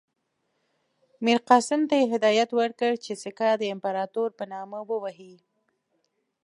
میرقاسم ته یې هدایت ورکړ چې سکه د امپراطور په نامه ووهي.